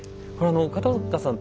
片岡さん